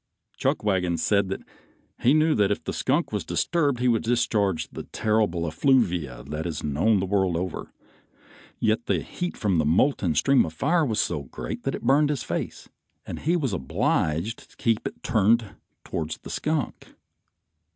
Chuckwagon said he knew that if the skunk was disturbed he would discharge that terrible effluvia that is known the world over, yet the heat from the molten stream of fire was so great that it burned his face and he was obliged to keep it turned towards the skunk.